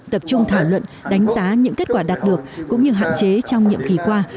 tập trung thảo luận đánh giá những kết quả đạt được cũng như hạn chế trong nhiệm kỳ qua